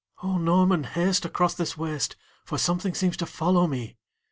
"O Norman, haste across this waste For something seems to follow me!"